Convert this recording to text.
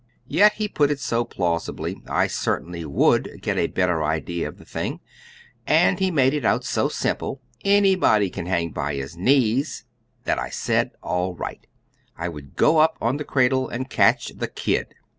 Yet he put it so plausibly I certainly would get a better idea of the thing and he made it out so simple anybody can hang by his knees that I said all right; I would go up on the cradle and catch the "kid."